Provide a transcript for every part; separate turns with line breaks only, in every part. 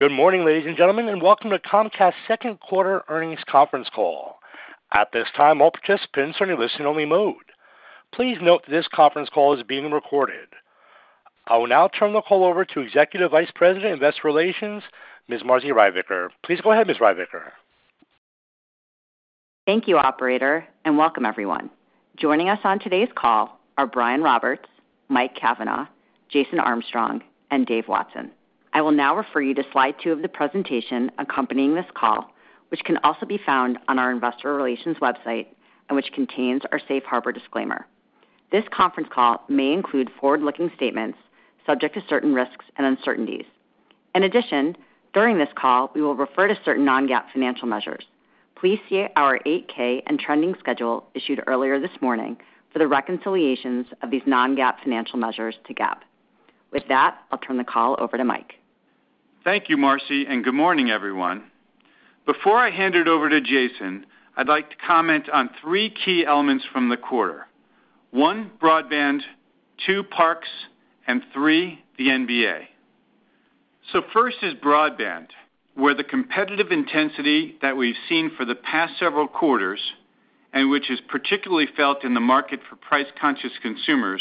Good morning, ladies and gentlemen, and welcome to Comcast's Q2 earnings conference call. At this time, all participants are in a listen-only mode. Please note that this conference call is being recorded. I will now turn the call over to Executive Vice President, Investor Relations, Ms. Marci Ryvicker. Please go ahead, Ms. Ryvicker.
Thank you, Operator, and welcome, everyone. Joining us on today's call are Brian Roberts, Mike Cavanagh, Jason Armstrong, and Dave Watson. I will now refer you to slide two of the presentation accompanying this call, which can also be found on our Investor Relations website and which contains our Safe Harbor disclaimer. This conference call may include forward-looking statements subject to certain risks and uncertainties. In addition, during this call, we will refer to certain non-GAAP financial measures. Please see our 8-K and trending schedule issued earlier this morning for the reconciliations of these non-GAAP financial measures to GAAP. With that, I'll turn the call over to Mike.
Thank you, Marci, and good morning, everyone. Before I hand it over to Jason, I'd like to comment on three key elements from the quarter: one, broadband; two, parks; and three, the NBA. So first is broadband, where the competitive intensity that we've seen for the past several quarters, and which is particularly felt in the market for price-conscious consumers,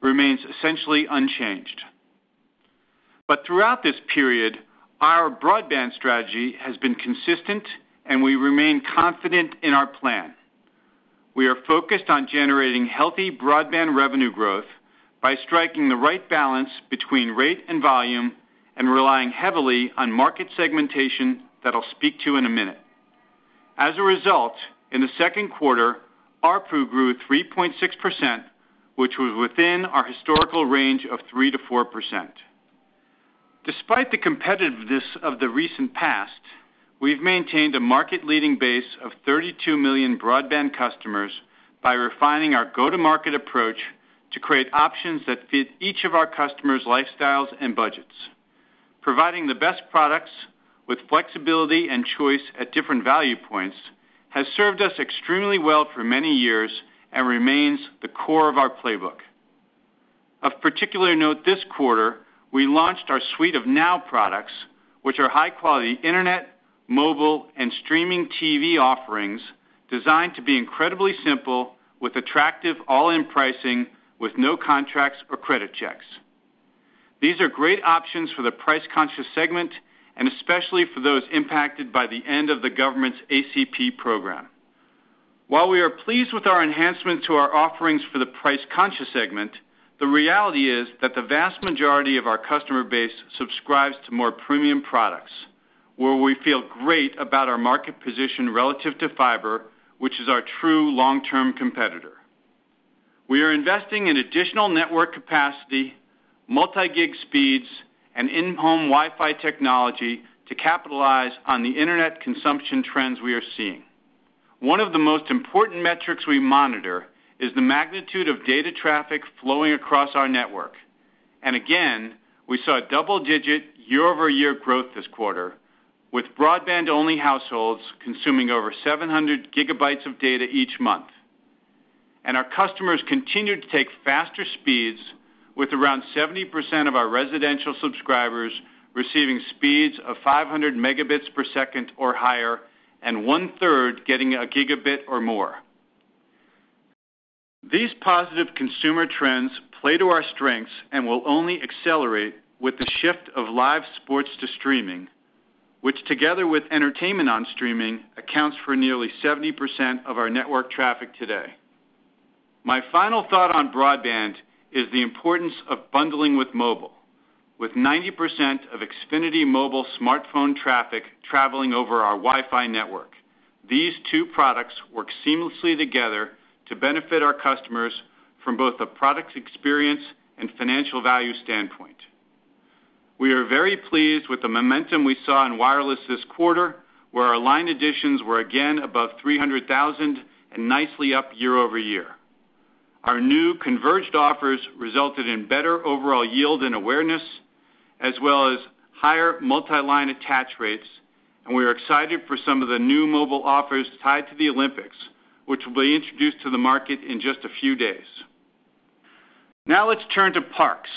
remains essentially unchanged. But throughout this period, our broadband strategy has been consistent, and we remain confident in our plan. We are focused on generating healthy broadband revenue growth by striking the right balance between rate and volume and relying heavily on market segmentation that I'll speak to in a minute. As a result, in the Q2, our ARPU grew 3.6%, which was within our historical range of 3%-4%. Despite the competitiveness of the recent past, we've maintained a market-leading base of 32 million broadband customers by refining our go-to-market approach to create options that fit each of our customers' lifestyles and budgets. Providing the best products with flexibility and choice at different value points has served us extremely well for many years and remains the core of our playbook. Of particular note, this quarter, we launched our suite of NOW products, which are high-quality internet, mobile, and streaming TV offerings designed to be incredibly simple with attractive all-in pricing with no contracts or credit checks. These are great options for the price-conscious segment and especially for those impacted by the end of the government's ACP program. While we are pleased with our enhancements to our offerings for the price-conscious segment, the reality is that the vast majority of our customer base subscribes to more premium products, where we feel great about our market position relative to fiber, which is our true long-term competitor. We are investing in additional network capacity, multi-gig speeds, and in-home Wi-Fi technology to capitalize on the internet consumption trends we are seeing. One of the most important metrics we monitor is the magnitude of data traffic flowing across our network. Again, we saw double-digit year-over-year growth this quarter, with broadband-only households consuming over 700 GB of data each month. Our customers continue to take faster speeds, with around 70% of our residential subscribers receiving speeds of 500 Mbps or higher, and 1/3 getting a gigabit or more. These positive consumer trends play to our strengths and will only accelerate with the shift of live sports to streaming, which, together with entertainment on streaming, accounts for nearly 70% of our network traffic today. My final thought on broadband is the importance of bundling with mobile. With 90% of Xfinity Mobile smartphone traffic traveling over our Wi-Fi network, these two products work seamlessly together to benefit our customers from both a product experience and financial value standpoint. We are very pleased with the momentum we saw in wireless this quarter, where our line additions were again above 300,000 and nicely up year-over-year. Our new converged offers resulted in better overall yield and awareness, as well as higher multi-line attach rates, and we are excited for some of the new mobile offers tied to the Olympics, which will be introduced to the market in just a few days. Now let's turn to parks,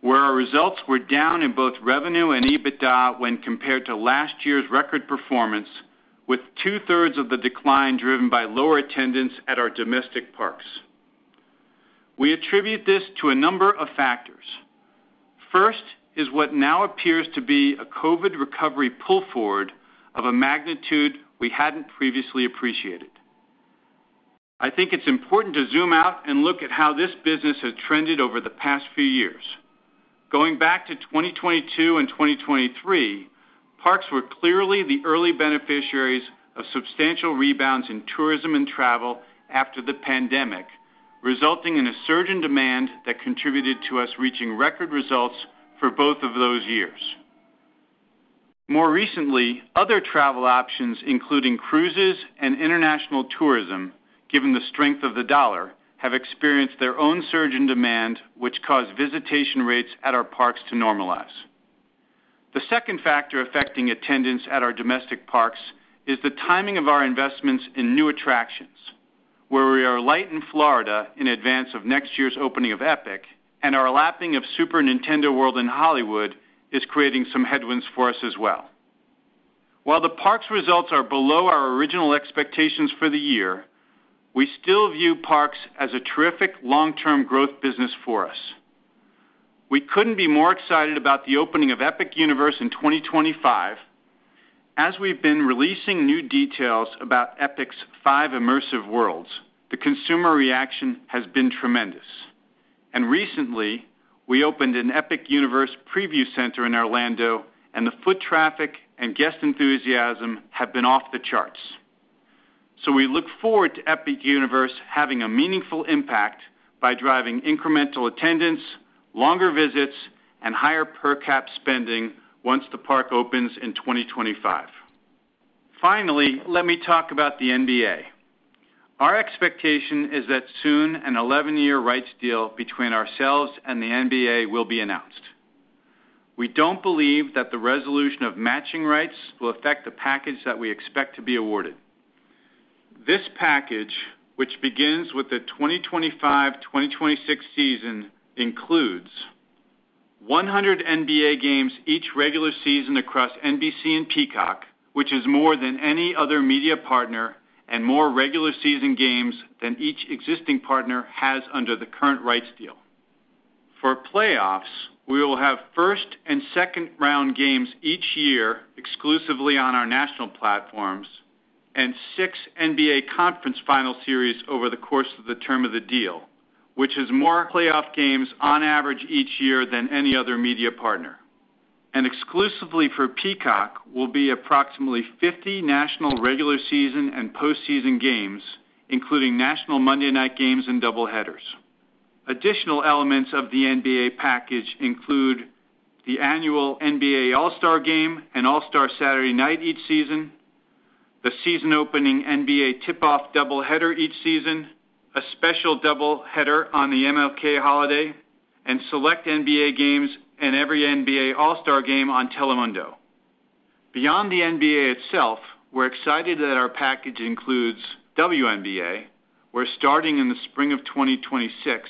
where our results were down in both revenue and EBITDA when compared to last year's record performance, with two-thirds of the decline driven by lower attendance at our domestic parks. We attribute this to a number of factors. First is what now appears to be a COVID recovery pull forward of a magnitude we hadn't previously appreciated. I think it's important to zoom out and look at how this business has trended over the past few years. Going back to 2022 and 2023, parks were clearly the early beneficiaries of substantial rebounds in tourism and travel after the pandemic, resulting in a surge in demand that contributed to us reaching record results for both of those years. More recently, other travel options, including cruises and international tourism, given the strength of the dollar, have experienced their own surge in demand, which caused visitation rates at our parks to normalize. The second factor affecting attendance at our domestic parks is the timing of our investments in new attractions, where we are late in Florida in advance of next year's opening of Epic, and our lapping of Super Nintendo World in Hollywood is creating some headwinds for us as well. While the parks' results are below our original expectations for the year, we still view parks as a terrific long-term growth business for us. We couldn't be more excited about the opening of Epic Universe in 2025. As we've been releasing new details about Epic's five immersive worlds, the consumer reaction has been tremendous. Recently, we opened an Epic Universe preview center in Orlando, and the foot traffic and guest enthusiasm have been off the charts. We look forward to Epic Universe having a meaningful impact by driving incremental attendance, longer visits, and higher per-cap spending once the park opens in 2025. Finally, let me talk about the NBA. Our expectation is that soon an 11-year rights deal between ourselves and the NBA will be announced. We don't believe that the resolution of matching rights will affect the package that we expect to be awarded. This package, which begins with the 2025-2026 season, includes 100 NBA games each regular season across NBC and Peacock, which is more than any other media partner, and more regular season games than each existing partner has under the current rights deal. For playoffs, we will have first and second-round games each year exclusively on our national platforms and 6 NBA conference final series over the course of the term of the deal, which is more playoff games on average each year than any other media partner. Exclusively for Peacock, will be approximately 50 national regular season and post-season games, including national Monday night games and double headers. Additional elements of the NBA package include the annual NBA All-Star Game and All-Star Saturday Night each season, the season-opening NBA Tip-Off double header each season, a special double header on the MLK holiday, and select NBA games and every NBA All-Star Game on Telemundo. Beyond the NBA itself, we're excited that our package includes WNBA, where starting in the spring of 2026,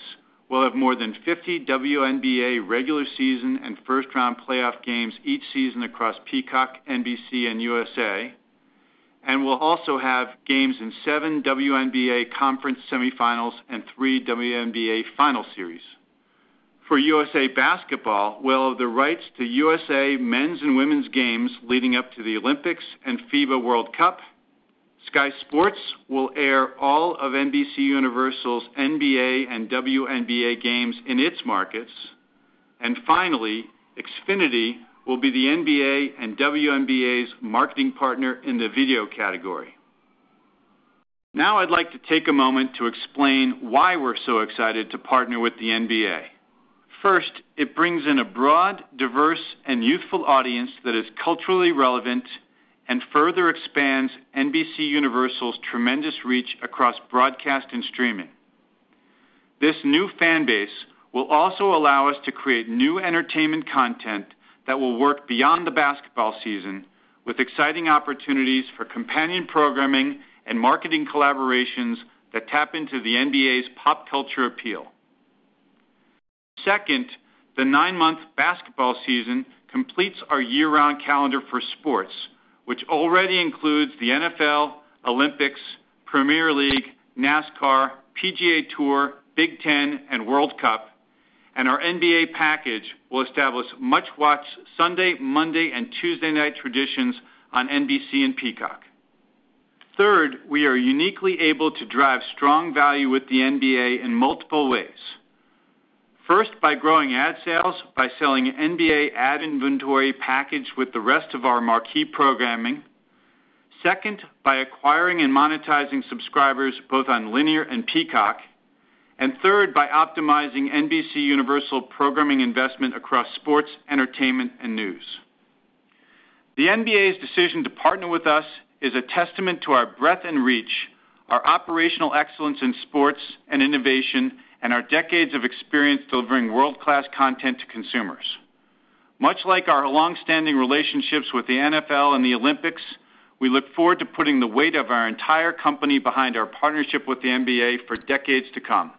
we'll have more than 50 WNBA regular season and first-round playoff games each season across Peacock, NBC, and USA, and we'll also have games in seven WNBA conference semifinals and three WNBA final series. For USA Basketball, we'll have the rights to USA men's and women's games leading up to the Olympics and FIBA World Cup. Sky Sports will air all of NBCUniversal's NBA and WNBA games in its markets. And finally, Xfinity will be the NBA and WNBA's marketing partner in the video category. Now I'd like to take a moment to explain why we're so excited to partner with the NBA. First, it brings in a broad, diverse, and youthful audience that is culturally relevant and further expands NBCUniversal's tremendous reach across broadcast and streaming. This new fan base will also allow us to create new entertainment content that will work beyond the basketball season, with exciting opportunities for companion programming and marketing collaborations that tap into the NBA's pop culture appeal. Second, the nine-month basketball season completes our year-round calendar for sports, which already includes the NFL, Olympics, Premier League, NASCAR, PGA Tour, Big Ten, and World Cup, and our NBA package will establish much-watched Sunday, Monday, and Tuesday night traditions on NBC and Peacock. Third, we are uniquely able to drive strong value with the NBA in multiple ways. First, by growing ad sales, by selling NBA ad inventory packaged with the rest of our marquee programming. Second, by acquiring and monetizing subscribers both on linear and Peacock. And third, by optimizing NBCUniversal programming investment across sports, entertainment, and news. The NBA's decision to partner with us is a testament to our breadth and reach, our operational excellence in sports and innovation, and our decades of experience delivering world-class content to consumers. Much like our long-standing relationships with the NFL and the Olympics, we look forward to putting the weight of our entire company behind our partnership with the NBA for decades to come.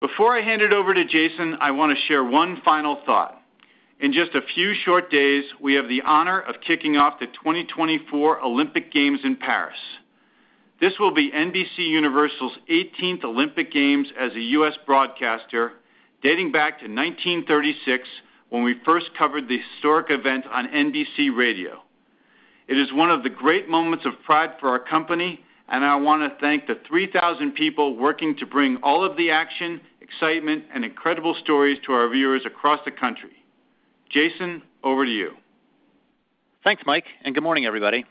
Before I hand it over to Jason, I want to share one final thought. In just a few short days, we have the honor of kicking off the 2024 Olympic Games in Paris. This will be NBCUniversal's 18th Olympic Games as a U.S. broadcaster, dating back to 1936 when we first covered the historic event on NBC Radio. It is one of the great moments of pride for our company, and I want to thank the 3,000 people working to bring all of the action, excitement, and incredible stories to our viewers across the country. Jason, over to you.
Thanks, Mike, and good morning, everybody.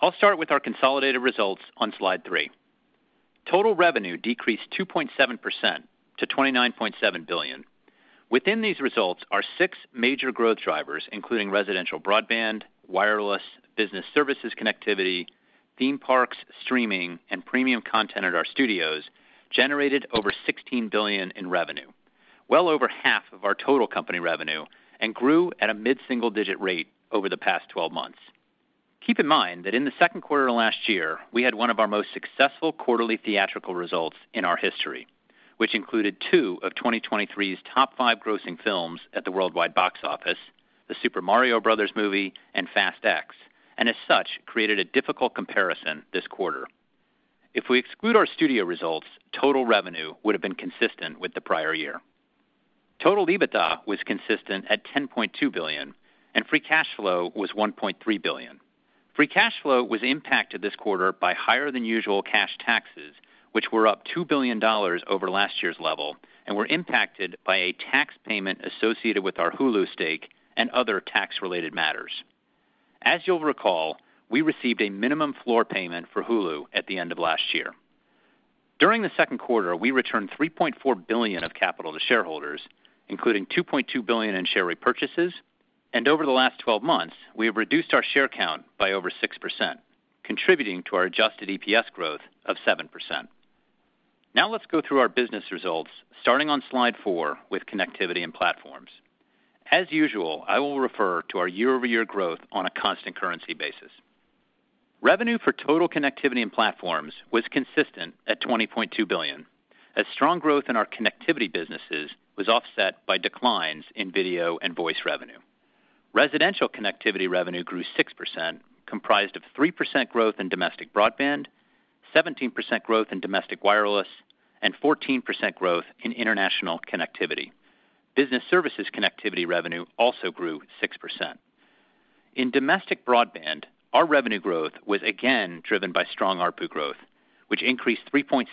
I'll start with our consolidated results on slide three. Total revenue decreased 2.7% to $29.7 billion. Within these results are six major growth drivers, including residential broadband, wireless, business services connectivity, theme parks, streaming, and premium content at our studios, generated over $16 billion in revenue, well over half of our total company revenue, and grew at a mid-single-digit rate over the past 12 months. Keep in mind that in the Q2 of last year, we had one of our most successful quarterly theatrical results in our history, which included two of 2023's top five grossing films at the worldwide box office, The Super Mario Bros. Movie and Fast X, and as such, created a difficult comparison this quarter. If we exclude our studio results, total revenue would have been consistent with the prior year. Total EBITDA was consistent at $10.2 billion, and free cash flow was $1.3 billion. Free cash flow was impacted this quarter by higher-than-usual cash taxes, which were up $2 billion over last year's level, and were impacted by a tax payment associated with our Hulu stake and other tax-related matters. As you'll recall, we received a minimum floor payment for Hulu at the end of last year. During the Q2, we returned $3.4 billion of capital to shareholders, including $2.2 billion in share repurchases, and over the last 12 months, we have reduced our share count by over 6%, contributing to our adjusted EPS growth of 7%. Now let's go through our business results, starting on slide four with connectivity and platforms. As usual, I will refer to our year-over-year growth on a constant currency basis. Revenue for total connectivity and platforms was consistent at $20.2 billion, as strong growth in our connectivity businesses was offset by declines in video and voice revenue. Residential connectivity revenue grew 6%, comprised of 3% growth in domestic broadband, 17% growth in domestic wireless, and 14% growth in international connectivity. Business services connectivity revenue also grew 6%. In domestic broadband, our revenue growth was again driven by strong ARPU growth, which increased 3.6%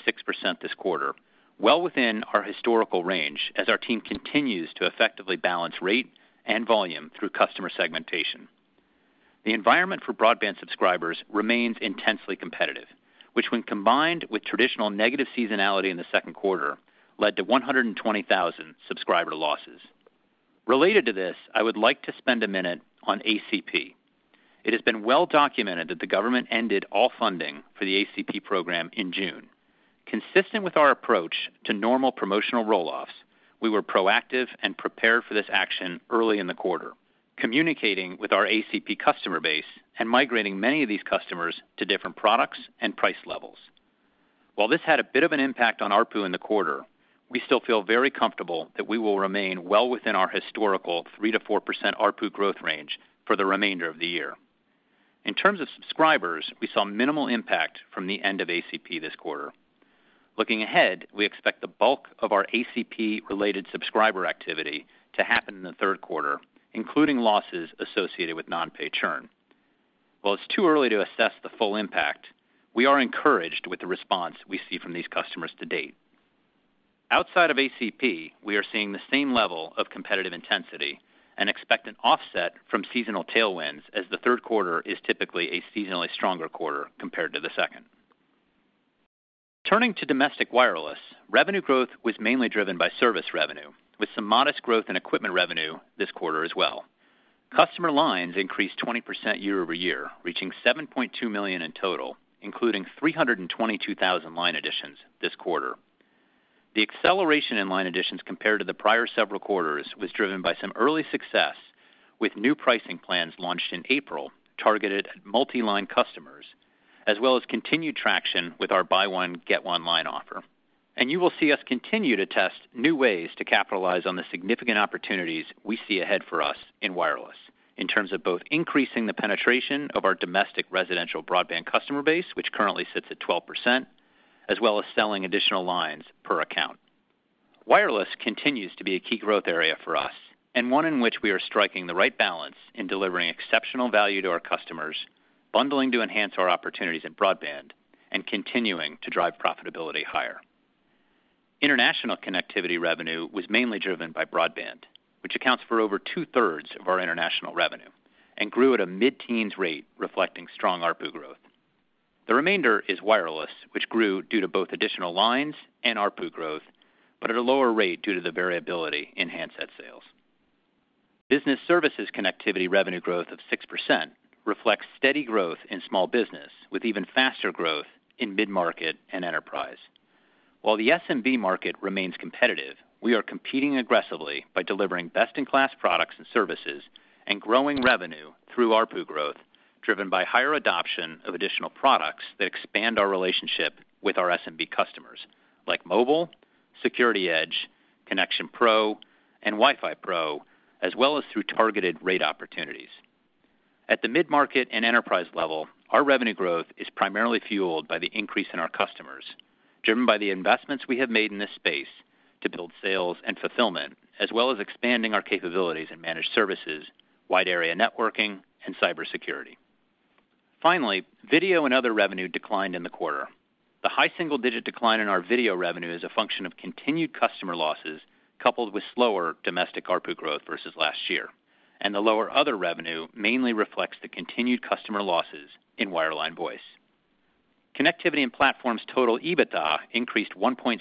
this quarter, well within our historical range as our team continues to effectively balance rate and volume through customer segmentation. The environment for broadband subscribers remains intensely competitive, which, when combined with traditional negative seasonality in the Q2, led to 120,000 subscriber losses. Related to this, I would like to spend a minute on ACP. It has been well documented that the government ended all funding for the ACP program in June. Consistent with our approach to normal promotional rolloffs, we were proactive and prepared for this action early in the quarter, communicating with our ACP customer base and migrating many of these customers to different products and price levels. While this had a bit of an impact on ARPU in the quarter, we still feel very comfortable that we will remain well within our historical 3%-4% ARPU growth range for the remainder of the year. In terms of subscribers, we saw minimal impact from the end of ACP this quarter. Looking ahead, we expect the bulk of our ACP-related subscriber activity to happen in the Q3, including losses associated with non-pay churn. While it's too early to assess the full impact, we are encouraged with the response we see from these customers to date. Outside of ACP, we are seeing the same level of competitive intensity and expect an offset from seasonal tailwinds as the Q3 is typically a seasonally stronger quarter compared to the second. Turning to domestic wireless, revenue growth was mainly driven by service revenue, with some modest growth in equipment revenue this quarter as well. Customer lines increased 20% year-over-year, reaching 7.2 million in total, including 322,000 line additions this quarter. The acceleration in line additions compared to the prior several quarters was driven by some early success with new pricing plans launched in April targeted at multi-line customers, as well as continued traction with our buy-one-get-one line offer. You will see us continue to test new ways to capitalize on the significant opportunities we see ahead for us in wireless in terms of both increasing the penetration of our domestic residential broadband customer base, which currently sits at 12%, as well as selling additional lines per account. Wireless continues to be a key growth area for us and one in which we are striking the right balance in delivering exceptional value to our customers, bundling to enhance our opportunities in broadband, and continuing to drive profitability higher. International connectivity revenue was mainly driven by broadband, which accounts for over two-thirds of our international revenue and grew at a mid-teens rate, reflecting strong ARPU growth. The remainder is wireless, which grew due to both additional lines and ARPU growth, but at a lower rate due to the variability in handset sales. Business services connectivity revenue growth of 6% reflects steady growth in small business, with even faster growth in mid-market and enterprise. While the SMB market remains competitive, we are competing aggressively by delivering best-in-class products and services and growing revenue through ARPU growth, driven by higher adoption of additional products that expand our relationship with our SMB customers, like mobile, SecurityEdge, Connection Pro, and WiFi Pro, as well as through targeted rate opportunities. At the mid-market and enterprise level, our revenue growth is primarily fueled by the increase in our customers, driven by the investments we have made in this space to build sales and fulfillment, as well as expanding our capabilities in managed services, wide area networking, and cybersecurity. Finally, video and other revenue declined in the quarter. The high single-digit decline in our video revenue is a function of continued customer losses coupled with slower domestic ARPU growth versus last year, and the lower other revenue mainly reflects the continued customer losses in wireline voice. Connectivity and platforms' total EBITDA increased 1.6%,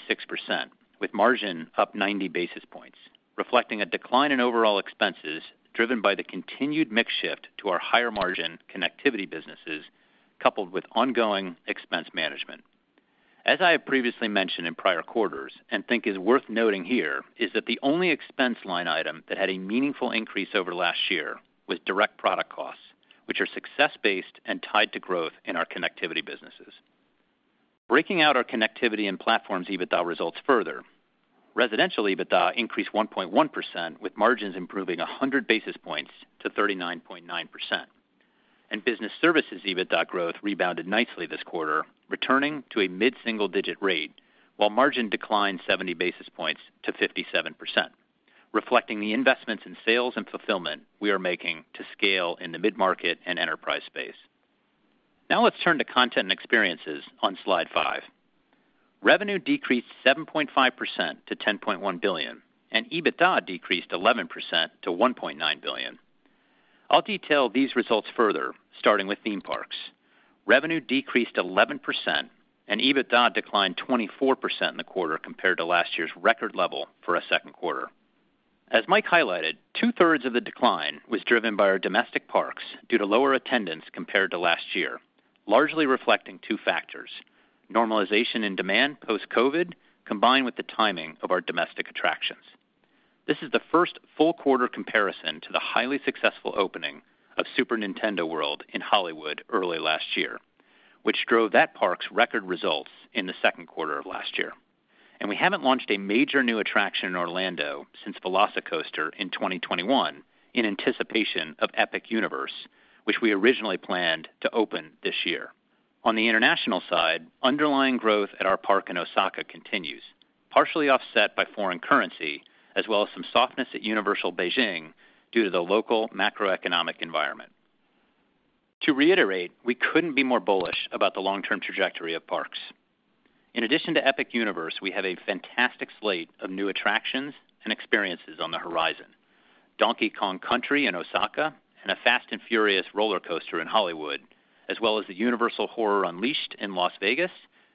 with margin up 90 basis points, reflecting a decline in overall expenses driven by the continued mix shift to our higher margin connectivity businesses coupled with ongoing expense management. As I have previously mentioned in prior quarters, and think is worth noting here, is that the only expense line item that had a meaningful increase over last year was direct product costs, which are success-based and tied to growth in our connectivity businesses. Breaking out our connectivity and platforms' EBITDA results further, residential EBITDA increased 1.1%, with margins improving 100 basis points to 39.9%. Business services' EBITDA growth rebounded nicely this quarter, returning to a mid-single-digit rate, while margin declined 70 basis points to 57%, reflecting the investments in sales and fulfillment we are making to scale in the mid-market and enterprise space. Now let's turn to content and experiences on slide five. Revenue decreased 7.5% to $10.1 billion, and EBITDA decreased 11% to $1.9 billion. I'll detail these results further, starting with theme parks. Revenue decreased 11%, and EBITDA declined 24% in the quarter compared to last year's record level for a Q2. As Mike highlighted, two-thirds of the decline was driven by our domestic parks due to lower attendance compared to last year, largely reflecting two factors: normalization in demand post-COVID, combined with the timing of our domestic attractions. This is the first full quarter comparison to the highly successful opening of Super Nintendo World in Hollywood early last year, which drove that park's record results in the Q2 of last year. We haven't launched a major new attraction in Orlando since VelociCoaster in 2021 in anticipation of Epic Universe, which we originally planned to open this year. On the international side, underlying growth at our park in Osaka continues, partially offset by foreign currency, as well as some softness at Universal Beijing due to the local macroeconomic environment. To reiterate, we couldn't be more bullish about the long-term trajectory of parks. In addition to Epic Universe, we have a fantastic slate of new attractions and experiences on the horizon: Donkey Kong Country in Osaka and a Fast and Furious roller coaster in Hollywood, as well as the Universal Horror Unleashed in Las Vegas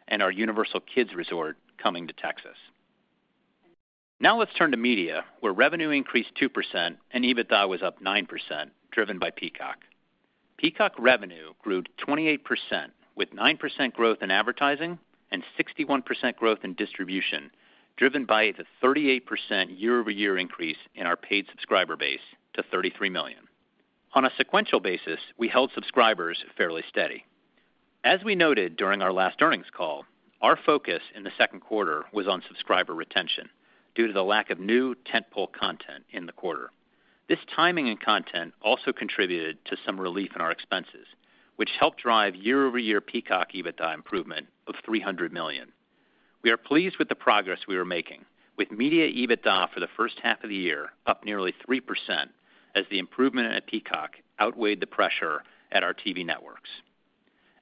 and our Universal Kids Resort coming to Texas. Now let's turn to media, where revenue increased 2% and EBITDA was up 9%, driven by Peacock. Peacock revenue grew 28% with 9% growth in advertising and 61% growth in distribution, driven by the 38% year-over-year increase in our paid subscriber base to 33 million. On a sequential basis, we held subscribers fairly steady. As we noted during our last earnings call, our focus in the Q2 was on subscriber retention due to the lack of new tentpole content in the quarter. This timing and content also contributed to some relief in our expenses, which helped drive year-over-year Peacock EBITDA improvement of $300 million. We are pleased with the progress we are making, with media EBITDA for the H1 of the year up nearly 3% as the improvement at Peacock outweighed the pressure at our TV networks.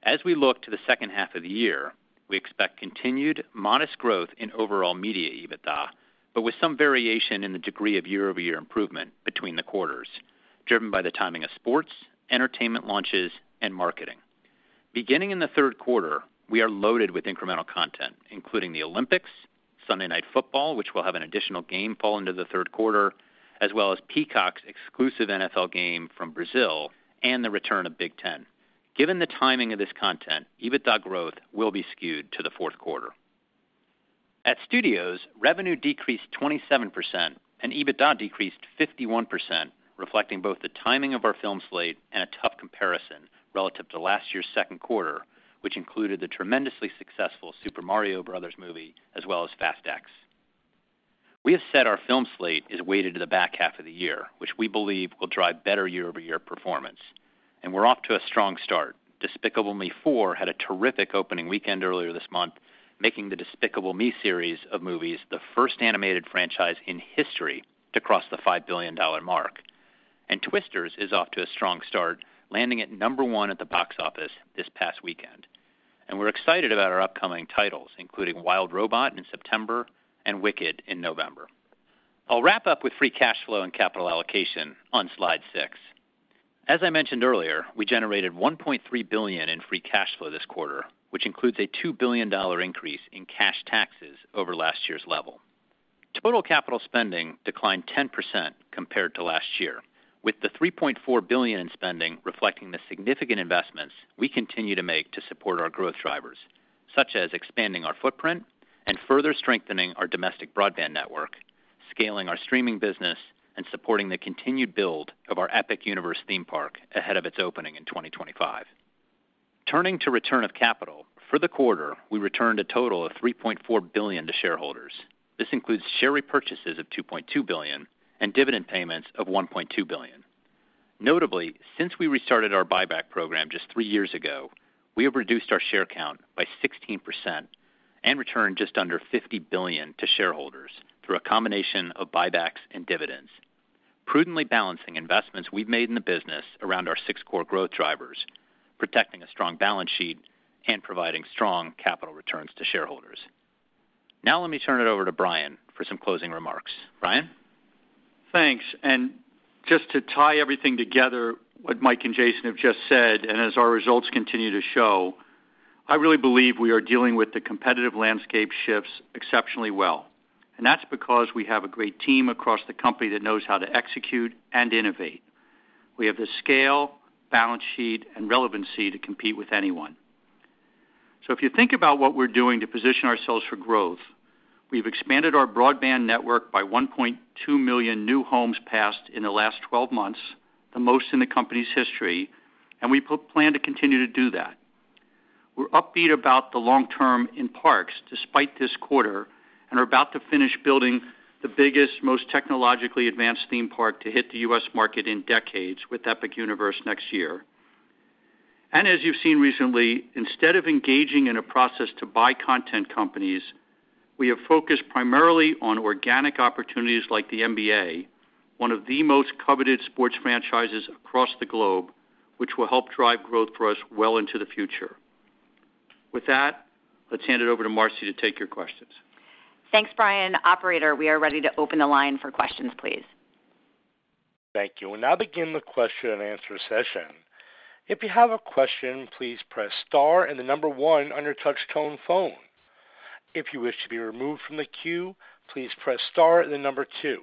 As we look to the H2 of the year, we expect continued modest growth in overall media EBITDA, but with some variation in the degree of year-over-year improvement between the quarters, driven by the timing of sports, entertainment launches, and marketing. Beginning in the Q3, we are loaded with incremental content, including the Olympics, Sunday Night Football, which will have an additional game fall into the Q3, as well as Peacock's exclusive NFL game from Brazil and the return of Big Ten. Given the timing of this content, EBITDA growth will be skewed to the Q4. At studios, revenue decreased 27% and EBITDA decreased 51%, reflecting both the timing of our film slate and a tough comparison relative to last year's Q2, which included the tremendously successful Super Mario Bros. movie as well as Fast X. We have said our film slate is weighted to the back half of the year, which we believe will drive better year-over-year performance. We're off to a strong start. Despicable Me 4 had a terrific opening weekend earlier this month, making the Despicable Me series of movies the first animated franchise in history to cross the $5 billion mark. Twisters is off to a strong start, landing at number one at the box office this past weekend. We're excited about our upcoming titles, including Wild Robot in September and Wicked in November. I'll wrap up with free cash flow and capital allocation on slide six. As I mentioned earlier, we generated $1.3 billion in free cash flow this quarter, which includes a $2 billion increase in cash taxes over last year's level. Total capital spending declined 10% compared to last year, with the $3.4 billion in spending reflecting the significant investments we continue to make to support our growth drivers, such as expanding our footprint and further strengthening our domestic broadband network, scaling our streaming business, and supporting the continued build of our Epic Universe theme park ahead of its opening in 2025. Turning to return of capital, for the quarter, we returned a total of $3.4 billion to shareholders. This includes share repurchases of $2.2 billion and dividend payments of $1.2 billion. Notably, since we restarted our buyback program just three years ago, we have reduced our share count by 16% and returned just under $50 billion to shareholders through a combination of buybacks and dividends, prudently balancing investments we've made in the business around our six core growth drivers, protecting a strong balance sheet, and providing strong capital returns to shareholders. Now let me turn it over to Brian for some closing remarks. Brian?
Thanks. Just to tie everything together, what Mike and Jason have just said, and as our results continue to show, I really believe we are dealing with the competitive landscape shifts exceptionally well. That's because we have a great team across the company that knows how to execute and innovate. We have the scale, balance sheet, and relevancy to compete with anyone. So if you think about what we're doing to position ourselves for growth, we've expanded our broadband network by 1.2 million new homes passed in the last 12 months, the most in the company's history, and we plan to continue to do that. We're upbeat about the long term in parks despite this quarter and are about to finish building the biggest, most technologically advanced theme park to hit the U.S. market in decades with Epic Universe next year. And as you've seen recently, instead of engaging in a process to buy content companies, we have focused primarily on organic opportunities like the NBA, one of the most coveted sports franchises across the globe, which will help drive growth for us well into the future. With that, let's hand it over to Marci to take your questions.
Thanks, Brian. Operator, we are ready to open the line for questions, please.
Thank you. I'll begin the question and answer session. If you have a question, please press star and the number one on your touch-tone phone. If you wish to be removed from the queue, please press star and the number two.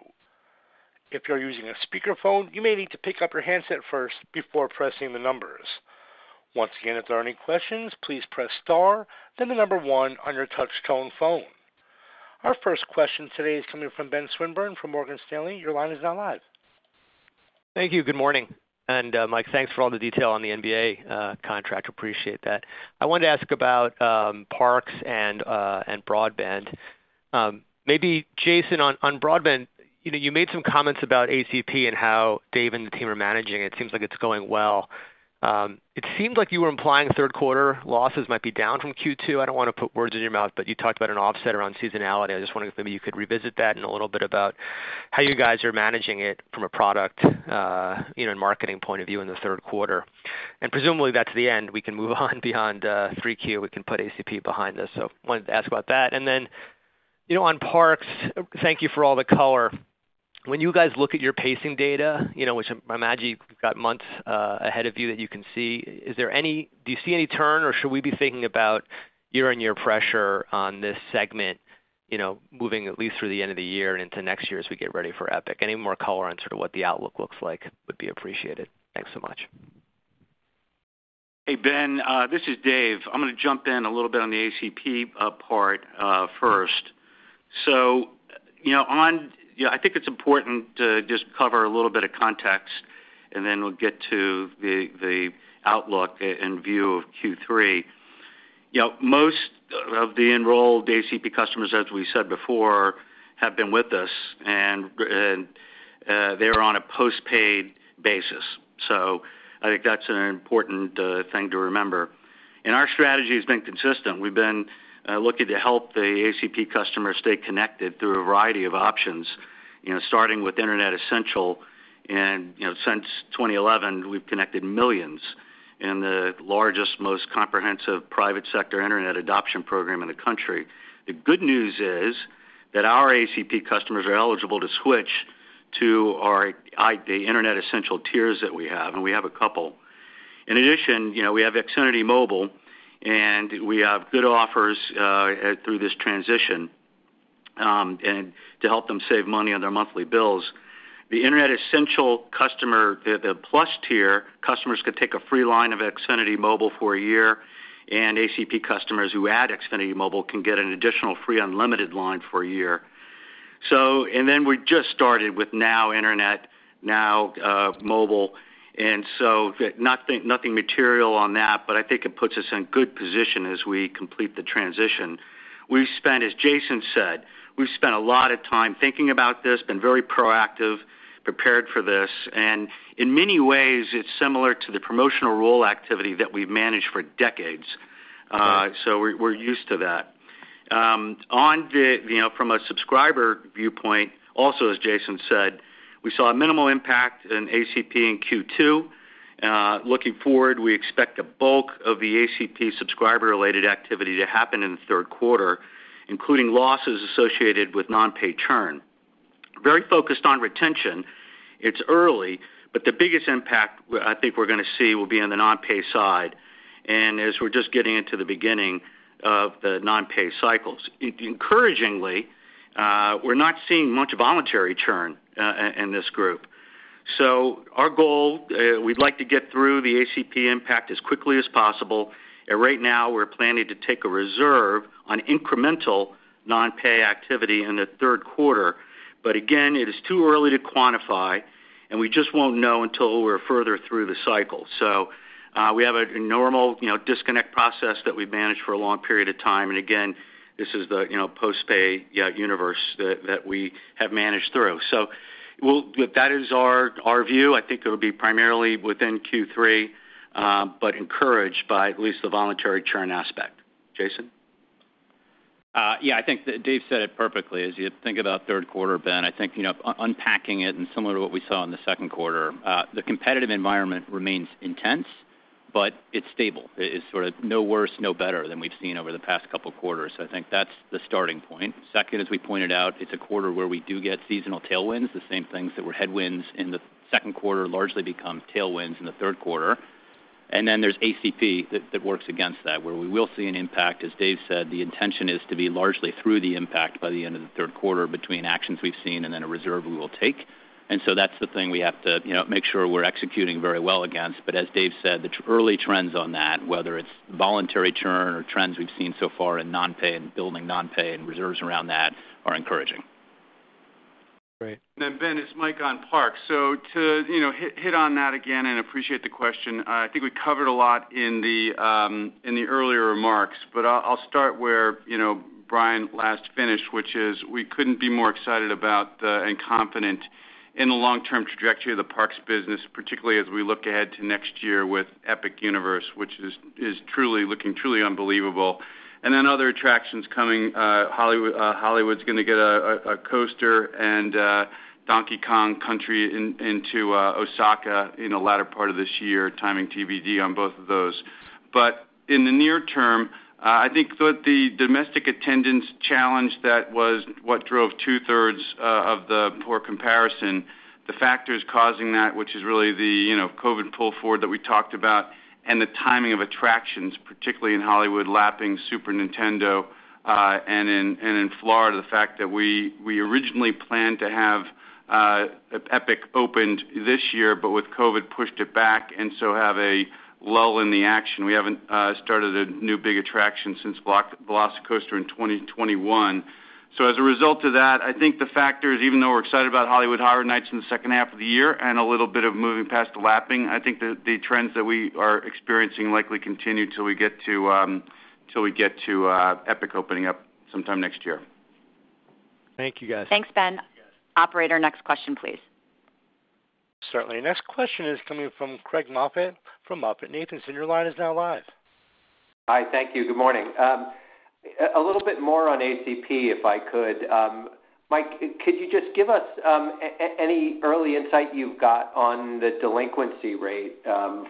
If you're using a speakerphone, you may need to pick up your handset first before pressing the numbers. Once again, if there are any questions, please press star, then the number one on your touch-tone phone. Our first question today is coming from Ben Swinburne from Morgan Stanley. Your line is now live.
Thank you. Good morning. Mike, thanks for all the detail on the NBA contract. Appreciate that. I wanted to ask about parks and broadband. Maybe Jason, on broadband, you made some comments about ACP and how Dave and the team are managing it. It seems like it's going well. It seemed like you were implying Q3 losses might be down from Q2. I don't want to put words in your mouth, but you talked about an offset around seasonality. I just wondered if maybe you could revisit that and a little bit about how you guys are managing it from a product and marketing point of view in the Q3? Presumably that's the end. We can move on beyond 3Q. We can put ACP behind us. I wanted to ask about that. Then on parks, thank you for all the color. When you guys look at your pacing data, which I imagine you've got months ahead of you that you can see, do you see any turn or should we be thinking about year-on-year pressure on this segment moving at least through the end of the year and into next year as we get ready for Epic? Any more color on sort of what the outlook looks like would be appreciated. Thanks so much.
Hey, Ben. This is Dave. I'm going to jump in a little bit on the ACP part first. So I think it's important to just cover a little bit of context, and then we'll get to the outlook and view of Q3. Most of the enrolled ACP customers, as we said before, have been with us, and they're on a postpaid basis. So I think that's an important thing to remember. Our strategy has been consistent. We've been looking to help the ACP customers stay connected through a variety of options, starting with Internet Essentials. Since 2011, we've connected millions in the largest, most comprehensive private sector Internet adoption program in the country. The good news is that our ACP customers are eligible to switch to the Internet Essentials tiers that we have, and we have a couple. In addition, we have Xfinity Mobile, and we have good offers through this transition to help them save money on their monthly bills. The Internet Essentials customer, the Plus tier, customers can take a free line of Xfinity Mobile for a year, and ACP customers who add Xfinity Mobile can get an additional free unlimited line for a year. Then we just started with NOW Internet, NOW Mobile. And so nothing material on that, but I think it puts us in good position as we complete the transition. We've spent, as Jason said, we've spent a lot of time thinking about this, been very proactive, prepared for this. And in many ways, it's similar to the promotional role activity that we've managed for decades. So we're used to that. From a subscriber viewpoint, also as Jason said, we saw minimal impact in ACP in Q2. Looking forward, we expect a bulk of the ACP subscriber-related activity to happen in the Q3, including losses associated with non-pay churn. Very focused on retention. It's early, but the biggest impact I think we're going to see will be on the non-pay side. And as we're just getting into the beginning of the non-pay cycles, encouragingly, we're not seeing much voluntary churn in this group. So our goal, we'd like to get through the ACP impact as quickly as possible. And right now, we're planning to take a reserve on incremental non-pay activity in the Q3. But again, it is too early to quantify, and we just won't know until we're further through the cycle. So we have a normal disconnect process that we've managed for a long period of time. And again, this is the postpay universe that we have managed through. So that is our view. I think it will be primarily within Q3, but encouraged by at least the voluntary churn aspect. Jason?
Yeah, I think Dave said it perfectly. As you think about Q3, Ben, I think unpacking it and similar to what we saw in the Q2, the competitive environment remains intense, but it's stable. It's sort of no worse, no better than we've seen over the past couple of quarters. I think that's the starting point. Second, as we pointed out, it's a quarter where we do get seasonal tailwinds. The same things that were headwinds in the Q2 largely become tailwinds in the Q3. And then there's ACP that works against that, where we will see an impact. As Dave said, the intention is to be largely through the impact by the end of the Q3 between actions we've seen and then a reserve we will take. And so that's the thing we have to make sure we're executing very well against. But as Dave said, the early trends on that, whether it's voluntary churn or trends we've seen so far in non-pay and building non-pay and reserves around that, are encouraging.
Great.
Then Ben, it's Mike on parks. So to hit on that again and appreciate the question. I think we covered a lot in the earlier remarks, but I'll start where Brian last finished, which is we couldn't be more excited about and confident in the long-term trajectory of the parks business, particularly as we look ahead to next year with Epic Universe, which is looking truly unbelievable. And then other attractions coming. Hollywood's going to get a coaster and Donkey Kong Country into Osaka in the latter part of this year, timing TVD on both of those. But in the near term, I think the domestic attendance challenge that was what drove two-thirds of the poor comparison, the factors causing that, which is really the COVID pull forward that we talked about, and the timing of attractions, particularly in Hollywood, lapping Super Nintendo. In Florida, the fact that we originally planned to have Epic opened this year, but with COVID, pushed it back and so have a lull in the action. We haven't started a new big attraction since the VelociCoaster in 2021. So as a result of that, I think the factors, even though we're excited about Hollywood Horror Nights in the H2 of the year and a little bit of moving past the lapping, I think the trends that we are experiencing likely continue until we get to Epic opening up sometime next year. Thank you, guys.
Thanks, Ben. Operator, next question, please.
Certainly. Next question is coming from Craig Moffett from MoffettNathanson. MoffettNathanson, your line is now live.
Hi, thank you. Good morning. A little bit more on ACP, if I could. Mike, could you just give us any early insight you've got on the delinquency rate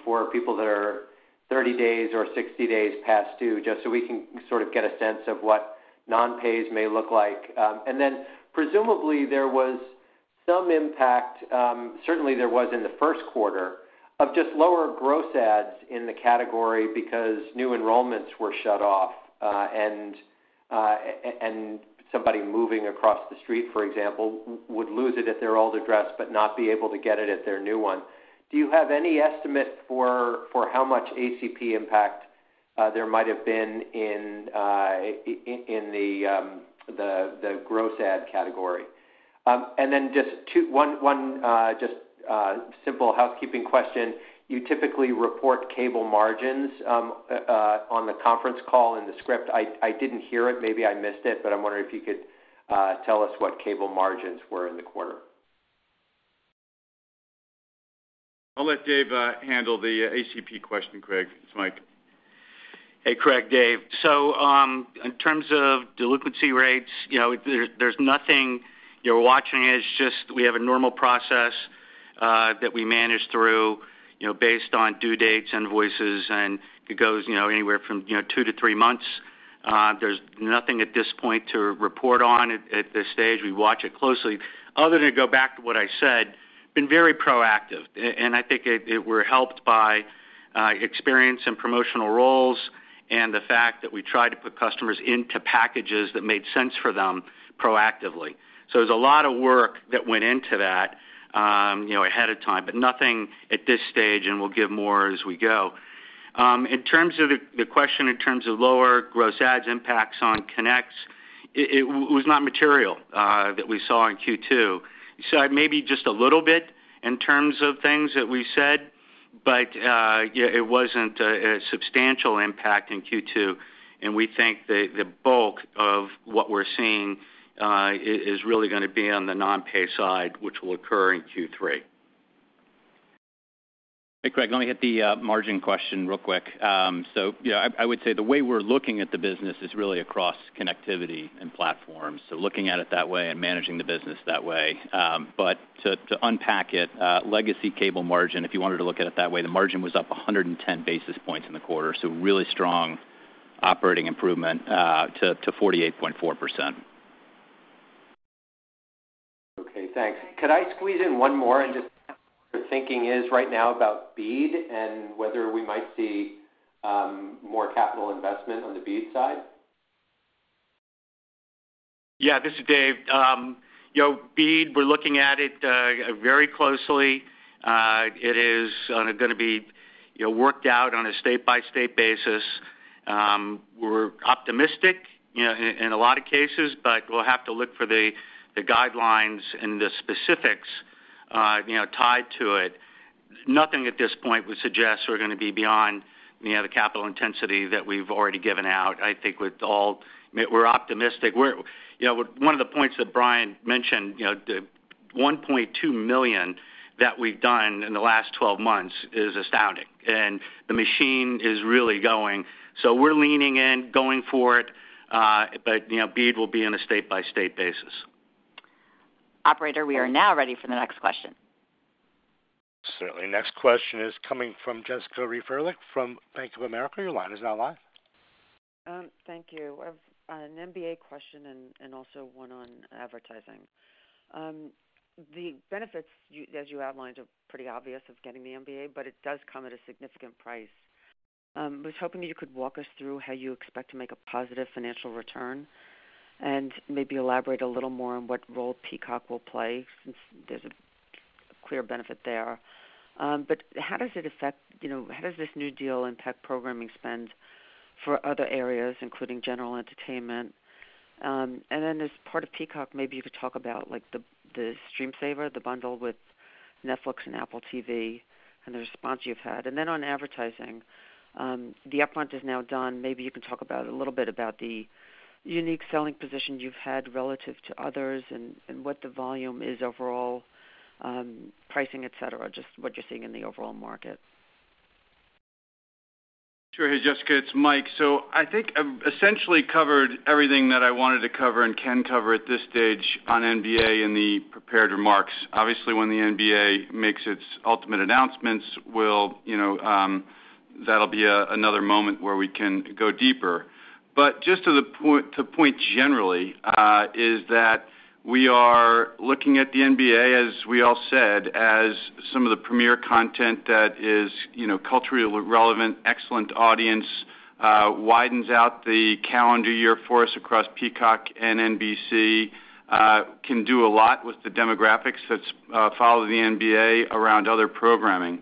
for people that are 30 days or 60 days past due, just so we can sort of get a sense of what non-pays may look like? And then presumably there was some impact, certainly there was in the Q1, of just lower gross adds in the category because new enrollments were shut off. And somebody moving across the street, for example, would lose it at their old address but not be able to get it at their new one. Do you have any estimate for how much ACP impact there might have been in the gross add category? And then just one simple housekeeping question. You typically report cable margins on the conference call in the script. I didn't hear it. Maybe I missed it, but I'm wondering if you could tell us what cable margins were in the quarter.
I'll let Dave handle the ACP question, Craig. It's Mike.
Hey, Craig, Dave. So in terms of delinquency rates, there's nothing you're watching. It's just we have a normal process that we manage through based on due dates, invoices, and it goes anywhere from two to three months. There's nothing at this point to report on at this stage. We watch it closely. Other than to go back to what I said, been very proactive. And I think we're helped by experience and promotional roles and the fact that we tried to put customers into packages that made sense for them proactively. So there's a lot of work that went into that ahead of time, but nothing at this stage, and we'll give more as we go. In terms of the question in terms of lower gross ads impacts on connects, it was not material that we saw in Q2. You said maybe just a little bit in terms of things that we said, but it wasn't a substantial impact in Q2. We think the bulk of what we're seeing is really going to be on the non-pay side, which will occur in Q3.
Hey, Craig, let me hit the margin question real quick. I would say the way we're looking at the business is really across connectivity and platforms. Looking at it that way and managing the business that way. To unpack it, legacy cable margin, if you wanted to look at it that way, the margin was up 110 basis points in the quarter. Really strong operating improvement to 48.4%.
Okay, thanks. Could I squeeze in one more and just ask what you're thinking is right now about BEAD and whether we might see more capital investment on the BEAD side?
Yeah, this is Dave. BEAD, we're looking at it very closely. It is going to be worked out on a state-by-state basis. We're optimistic in a lot of cases, but we'll have to look for the guidelines and the specifics tied to it. Nothing at this point would suggest we're going to be beyond the capital intensity that we've already given out. I think we're optimistic. One of the points that Brian mentioned, 1.2 million that we've done in the last 12 months is astounding. And the machine is really going. So we're leaning in, going for it, but BEAD will be on a state-by-state basis.
Operator, we are now ready for the next question. Certainly.
Next question is coming from Jessica Reif Ehrlich from Bank of America. Your line is now live.
Thank you. I have an NBA question and also one on advertising. The benefits, as you outlined, are pretty obvious of getting the NBA, but it does come at a significant price. I was hoping you could walk us through how you expect to make a positive financial return and maybe elaborate a little more on what role Peacock will play since there's a clear benefit there. But how does it affect how does this new deal impact programming spend for other areas, including general entertainment? And then as part of Peacock, maybe you could talk about the StreamSaver, the bundle with Netflix and Apple TV and the response you've had. And then on advertising, the upfront is now done. Maybe you can talk a little bit about the unique selling position you've had relative to others and what the volume is overall, pricing, etc., just what you're seeing in the overall market.
Sure. Hey, Jessica, it's Mike. So I think I've essentially covered everything that I wanted to cover and can cover at this stage on NBA in the prepared remarks. Obviously, when the NBA makes its ultimate announcements, that'll be another moment where we can go deeper. But just to point generally is that we are looking at the NBA, as we all said, as some of the premier content that is culturally relevant, excellent audience, widens out the calendar year for us across Peacock and NBC, can do a lot with the demographics that follow the NBA around other programming.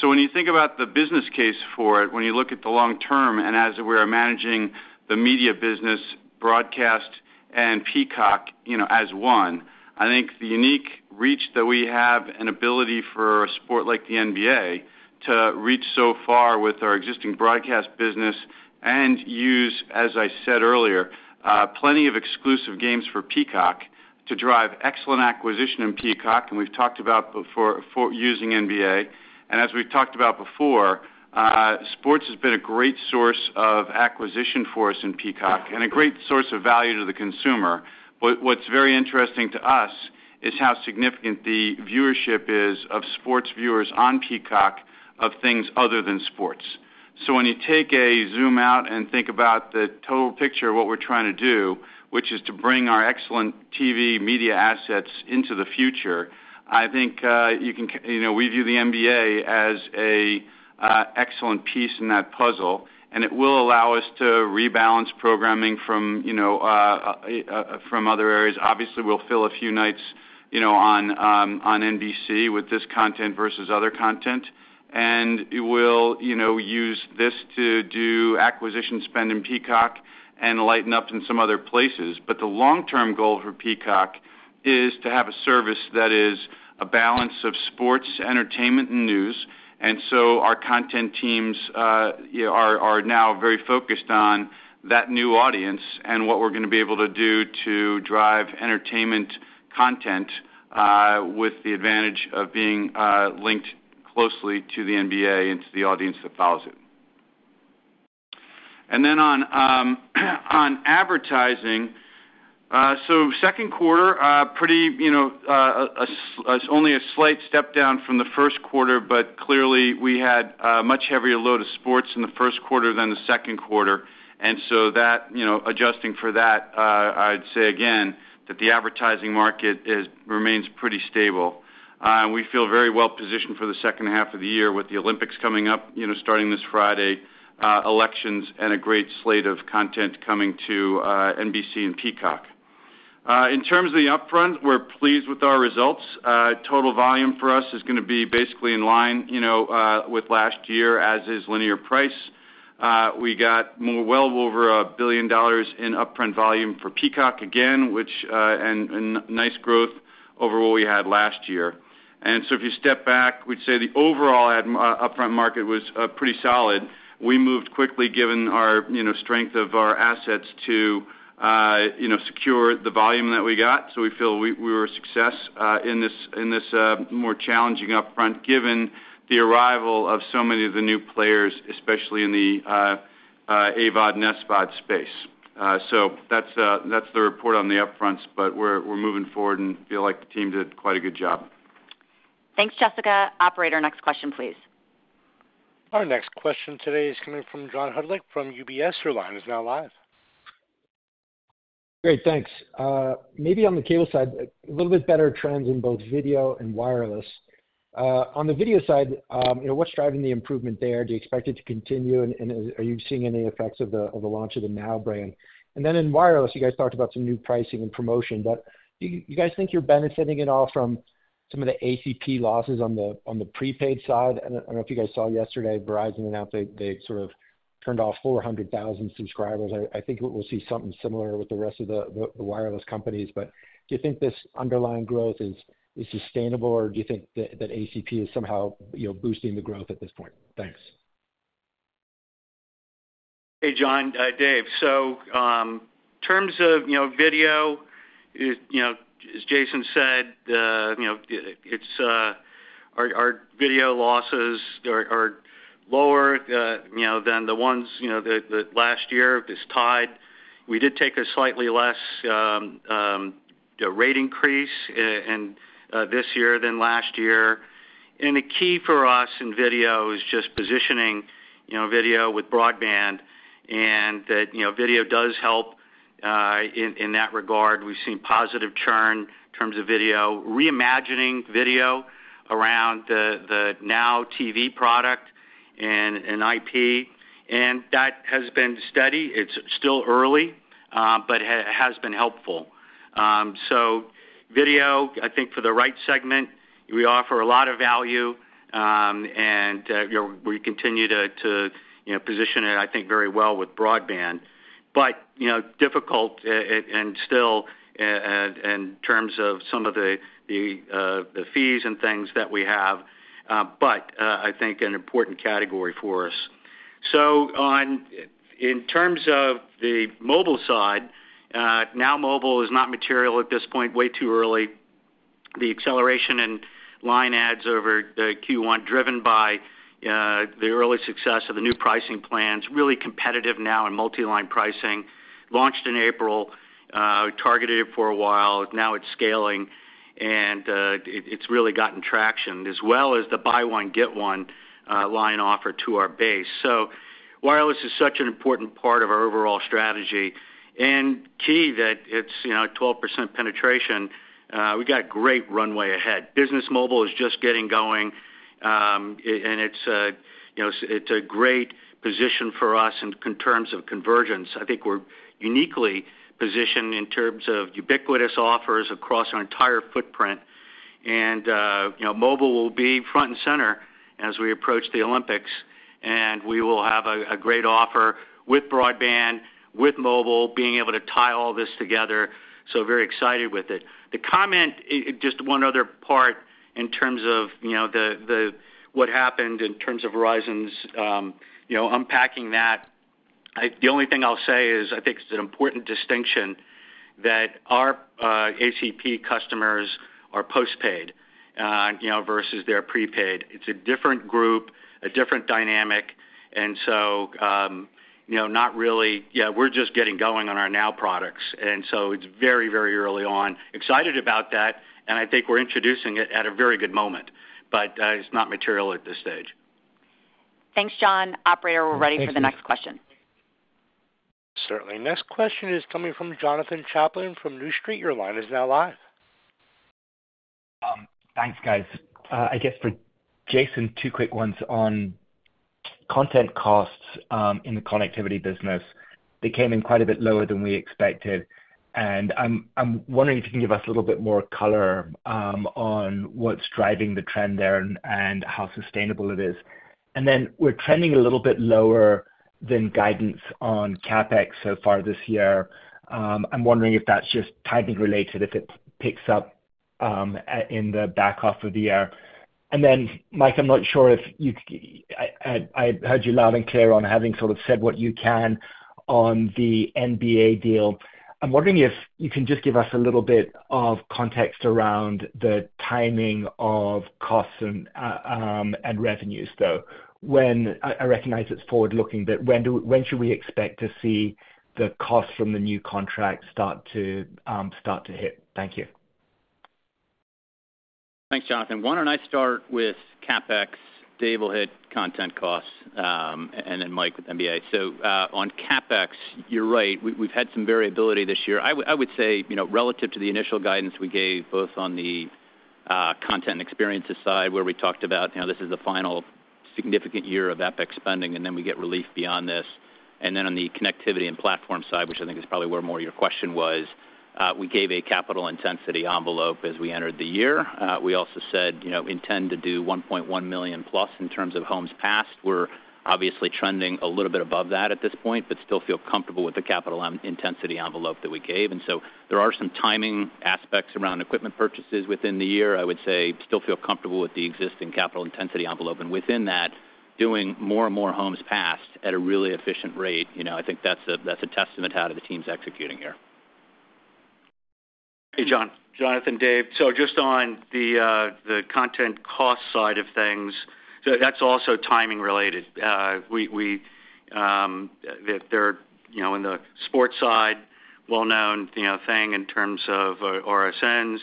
So when you think about the business case for it, when you look at the long term and as we're managing the media business, broadcast and Peacock as one, I think the unique reach that we have and ability for a sport like the NBA to reach so far with our existing broadcast business and use, as I said earlier, plenty of exclusive games for Peacock to drive excellent acquisition in Peacock. We've talked about using NBA. As we've talked about before, sports has been a great source of acquisition for us in Peacock and a great source of value to the consumer. But what's very interesting to us is how significant the viewership is of sports viewers on Peacock of things other than sports. So, when you take a zoom out and think about the total picture of what we're trying to do, which is to bring our excellent TV media assets into the future, I think we can view the NBA as an excellent piece in that puzzle. And it will allow us to rebalance programming from other areas. Obviously, we'll fill a few nights on NBC with this content versus other content. And we'll use this to do acquisition spend in Peacock and lighten up in some other places. But the long-term goal for Peacock is to have a service that is a balance of sports, entertainment, and news. Our content teams are now very focused on that new audience and what we're going to be able to do to drive entertainment content with the advantage of being linked closely to the NBA and to the audience that follows it. Then on advertising, so Q2, only a slight step down from the Q1, but clearly we had a much heavier load of sports in the Q1 than the Q2. Adjusting for that, I'd say again that the advertising market remains pretty stable. We feel very well positioned for the H2 of the year with the Olympics coming up starting this Friday, elections, and a great slate of content coming to NBC and Peacock. In terms of the upfront, we're pleased with our results. Total volume for us is going to be basically in line with last year, as is linear price. We got well over $1 billion in upfront volume for Peacock again, which is nice growth over what we had last year. So if you step back, we'd say the overall upfront market was pretty solid. We moved quickly given the strength of our assets to secure the volume that we got. So we feel we were a success in this more challenging upfront given the arrival of so many of the new players, especially in the AVOD and SVOD space. So that's the report on the upfronts, but we're moving forward and feel like the team did quite a good job.
Thanks, Jessica. Operator, next question, please.
Our next question today is coming from John Hodulik from UBS. Your line is now live.
Great, thanks. Maybe on the cable side, a little bit better trends in both video and wireless. On the video side, what's driving the improvement there? Do you expect it to continue? And are you seeing any effects of the launch of the NOW brand? And then in wireless, you guys talked about some new pricing and promotion. But do you guys think you're benefiting at all from some of the ACP losses on the prepaid side? I don't know if you guys saw yesterday, Verizon announced they sort of turned off 400,000 subscribers. I think we'll see something similar with the rest of the wireless companies. But do you think this underlying growth is sustainable, or do you think that ACP is somehow boosting the growth at this point? Thanks.
Hey, John, Dave. So in terms of video, as Jason said, our video losses are lower than the ones last year. It's tied. We did take a slightly less rate increase this year than last year. The key for us in video is just positioning video with broadband. Video does help in that regard. We've seen positive churn in terms of video, reimagining video around the NOW TV product and IP. That has been steady. It's still early, but it has been helpful. So video, I think for the right segment, we offer a lot of value. We continue to position it, I think, very well with broadband. But difficult and still in terms of some of the fees and things that we have, but I think an important category for us. In terms of the mobile side, NOW Mobile is not material at this point, way too early. The acceleration in line adds over Q1, driven by the early success of the new pricing plans, really competitive now in multi-line pricing, launched in April, targeted it for a while. Now it's scaling. It's really gotten traction, as well as the buy one, get one line offer to our base. So wireless is such an important part of our overall strategy. Key that it's 12% penetration. We've got a great runway ahead. Business Mobile is just getting going. It's a great position for us in terms of convergence. I think we're uniquely positioned in terms of ubiquitous offers across our entire footprint. Mobile will be front and center as we approach the Olympics. We will have a great offer with broadband, with mobile, being able to tie all this together. So very excited with it. The comment, just one other part in terms of what happened in terms of Verizon's unpacking that. The only thing I'll say is I think it's an important distinction that our ACP customers are postpaid versus they're prepaid. It's a different group, a different dynamic. And so not really, yeah, we're just getting going on our NOW products. And so it's very, very early on. Excited about that. And I think we're introducing it at a very good moment. But it's not material at this stage.
Thanks, John. Operator, we're ready for the next question.
Certainly. Next question is coming from Jonathan Chaplin from New Street. Your line is now live.
Thanks, guys. I guess for Jason, two quick ones on content costs in the connectivity business. They came in quite a bit lower than we expected. I'm wondering if you can give us a little bit more color on what's driving the trend there and how sustainable it is. And then we're trending a little bit lower than guidance on CapEx so far this year. I'm wondering if that's just timing related, if it picks up in the back half of the year. And then, Mike, I'm not sure if I heard you loud and clear on having sort of said what you can on the NBA deal. I'm wondering if you can just give us a little bit of context around the timing of costs and revenues, though. I recognize it's forward-looking, but when should we expect to see the costs from the new contract start to hit? Thank you.
Thanks, Jonathan. Why don't I start with CapEx, Dave will hit content costs, and then Mike with NBA. So on CapEx, you're right. We've had some variability this year. I would say relative to the initial guidance we gave, both on the content and experience side, where we talked about this is the final significant year of Epic spending, and then we get relief beyond this. And then on the connectivity and platform side, which I think is probably where more of your question was, we gave a capital intensity envelope as we entered the year. We also said intend to do 1.1 million+ in terms of homes passed. We're obviously trending a little bit above that at this point, but still feel comfortable with the capital intensity envelope that we gave. And so there are some timing aspects around equipment purchases within the year. I would say still feel comfortable with the existing capital intensity envelope. And within that, doing more and more homes passed at a really efficient rate. I think that's a testament to how the team's executing here.
Hey, John. Jonathan, Dave. So just on the content cost side of things, that's also timing related. There in the sports side, well-known thing in terms of RSNs.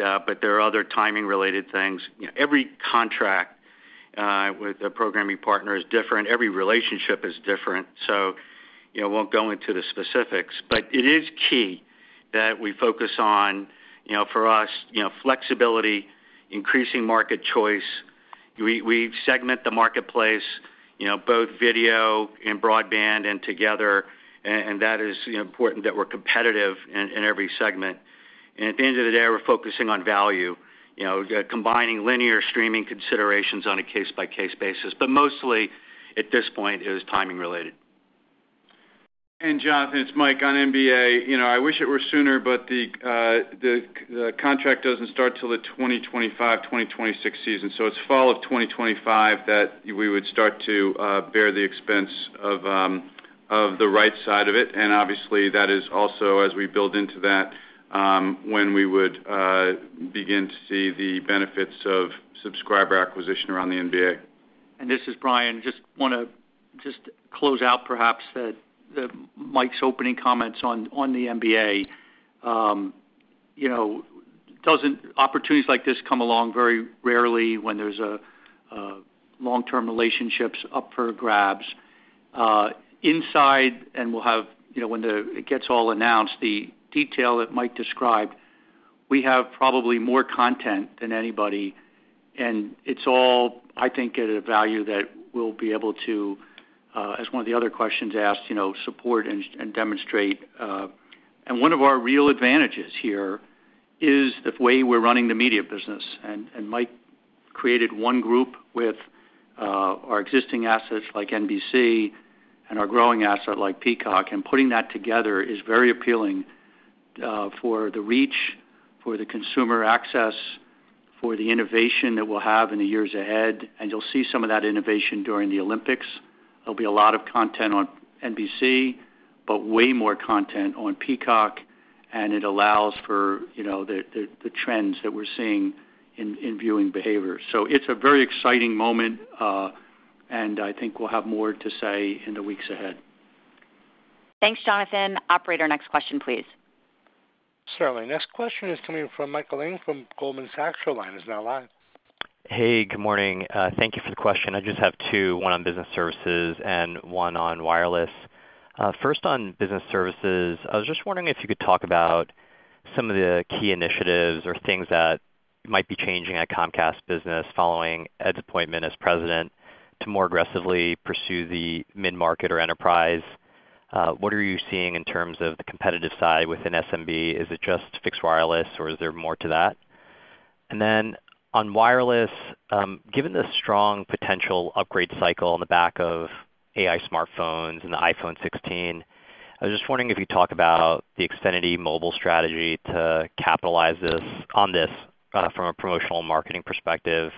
But there are other timing-related things. Every contract with a programming partner is different. Every relationship is different. So I won't go into the specifics. But it is key that we focus on, for us, flexibility, increasing market choice. We segment the marketplace, both video and broadband and together. And that is important that we're competitive in every segment. And at the end of the day, we're focusing on value, combining linear streaming considerations on a case-by-case basis. But mostly, at this point, it is timing related.
And Jonathan, it's Mike. On NBA, I wish it were sooner, but the contract doesn't start till the 2025, 2026 season. So it's fall of 2025 that we would start to bear the expense of the right side of it. Obviously, that is also as we build into that when we would begin to see the benefits of subscriber acquisition around the NBA.
This is Brian. Just want to just close out, perhaps, Mike's opening comments on the NBA. Opportunities like this come along very rarely when there's long-term relationships up for grabs. Inside, and we'll have when it gets all announced, the detail that Mike described, we have probably more content than anybody. It's all, I think, at a value that we'll be able to, as one of the other questions asked, support and demonstrate. One of our real advantages here is the way we're running the media business. Mike created one group with our existing assets like NBC and our growing asset like Peacock. Putting that together is very appealing for the reach, for the consumer access, for the innovation that we'll have in the years ahead. You'll see some of that innovation during the Olympics. There'll be a lot of content on NBC, but way more content on Peacock. It allows for the trends that we're seeing in viewing behavior. So it's a very exciting moment. I think we'll have more to say in the weeks ahead.
Thanks, Jonathan. Operator, next question, please.
Certainly. Next question is coming from Michael Ng from Goldman Sachs. Your line is now live.
Hey, good morning. Thank you for the question. I just have two, one on business services and one on wireless. First, on business services, I was just wondering if you could talk about some of the key initiatives or things that might be changing at Comcast Business following Ed's appointment as president to more aggressively pursue the mid-market or enterprise. What are you seeing in terms of the competitive side within SMB? Is it just fixed wireless, or is there more to that? And then on wireless, given the strong potential upgrade cycle on the back of AI smartphones and the iPhone 16, I was just wondering if you'd talk about the Xfinity Mobile strategy to capitalize on this from a promotional marketing perspective.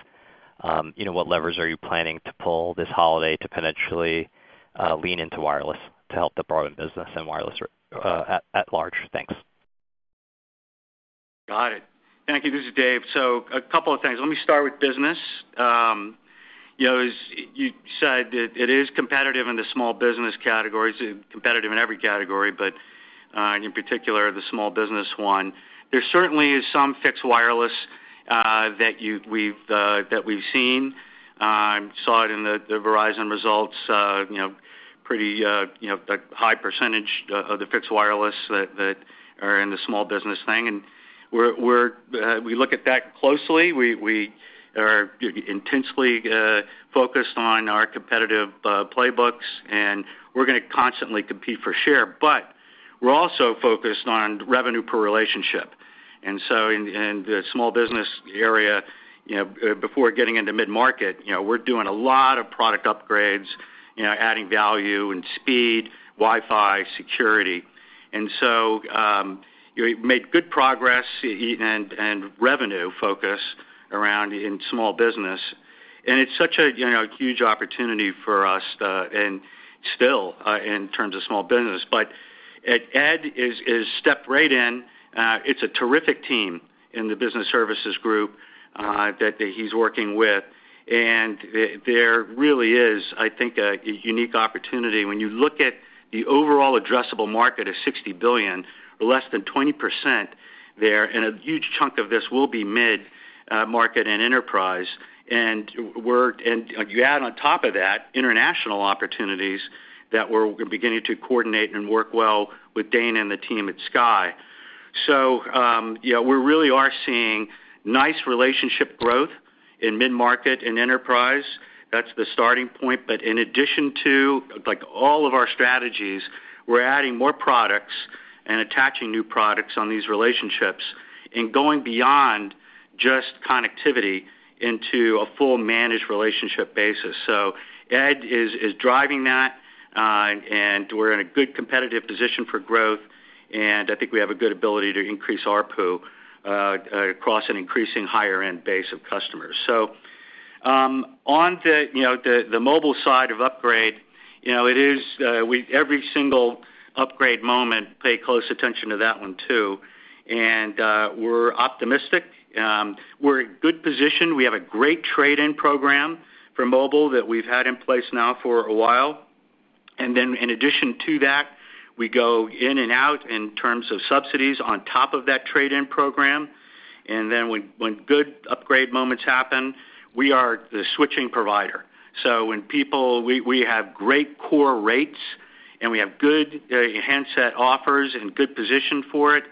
What levers are you planning to pull this holiday to potentially lean into wireless to help the broadband business and wireless at large? Thanks.
Got it. Thank you. This is Dave. So a couple of things. Let me start with business. You said it is competitive in the small business categories, competitive in every category, but in particular, the small business one. There certainly is some fixed wireless that we've seen. I saw it in the Verizon results, pretty high percentage of the fixed wireless that are in the small business thing. And we look at that closely. We are intensely focused on our competitive playbooks. And we're going to constantly compete for share. But we're also focused on revenue per relationship. And so in the small business area, before getting into mid-market, we're doing a lot of product upgrades, adding value and speed, Wi-Fi, security. And so we made good progress and revenue focus around in small business. And it's such a huge opportunity for us and still in terms of small business. But Ed has stepped right in. It's a terrific team in the business services group that he's working with. And there really is, I think, a unique opportunity. When you look at the overall addressable market of $60 billion, less than 20% there, and a huge chunk of this will be mid-market and enterprise. And you add on top of that international opportunities that we're beginning to coordinate and work well with Dana and the team at Sky. So we really are seeing nice relationship growth in mid-market and enterprise. That's the starting point. But in addition to all of our strategies, we're adding more products and attaching new products on these relationships and going beyond just connectivity into a full managed relationship basis. So Ed is driving that. And we're in a good competitive position for growth. And I think we have a good ability to increase ARPU across an increasing higher-end base of customers. So on the mobile side of upgrade, it is every single upgrade moment, pay close attention to that one too. And we're optimistic. We're in good position. We have a great trade-in program for mobile that we've had in place now for a while. And then in addition to that, we go in and out in terms of subsidies on top of that trade-in program. And then when good upgrade moments happen, we are the switching provider. So when people, we have great core rates. And we have good handset offers and good position for it.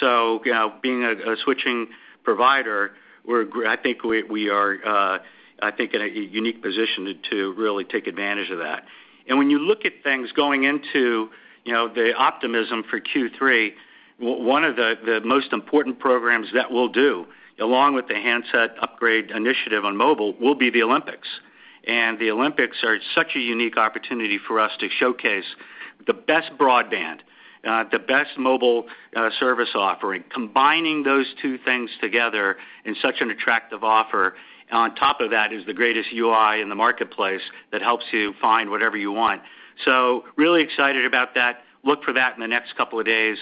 So being a switching provider, I think we are, I think, in a unique position to really take advantage of that. When you look at things going into the optimism for Q3, one of the most important programs that we'll do, along with the handset upgrade initiative on mobile, will be the Olympics. The Olympics are such a unique opportunity for us to showcase the best broadband, the best mobile service offering, combining those two things together in such an attractive offer. On top of that is the greatest UI in the marketplace that helps you find whatever you want. Really excited about that. Look for that in the next couple of days.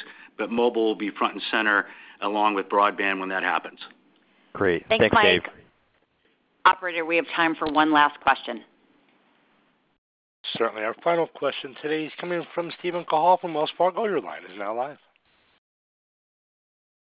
Mobile will be front and center along with broadband when that happens. Great.
Thanks, Dave.
Thanks, Mike. Operator, we have time for one last question.
Certainly. Our final question today is coming from Steven Cahall from Wells Fargo. Your line is now live.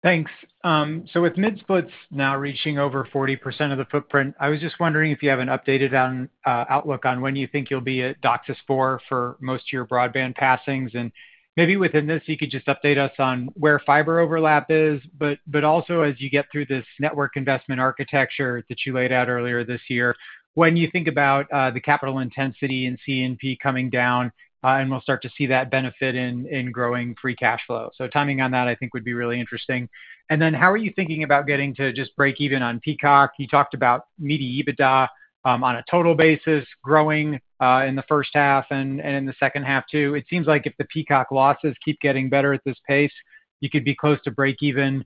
Thanks. So with mid-splits now reaching over 40% of the footprint, I was just wondering if you have an updated outlook on when you think you'll be at DOCSIS 4.0 for most of your broadband passings? And maybe within this, you could just update us on where fiber overlap is? But also, as you get through this network investment architecture that you laid out earlier this year, when you think about the capital intensity and C&P coming down, and we'll start to see that benefit in growing free cash flow. So timing on that, I think, would be really interesting. And then how are you thinking about getting to just break even on Peacock? You talked about media EBITDA on a total basis growing in the H1 and in the H2 too. It seems like if the Peacock losses keep getting better at this pace, you could be close to break even